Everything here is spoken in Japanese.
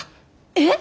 えっ！？